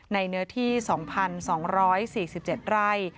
เนื้อที่๒๒๔๗ไร่